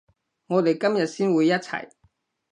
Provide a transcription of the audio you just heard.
我哋今日先會一齊